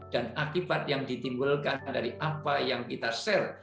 dan akibat yang ditimbulkan dari apa yang kita share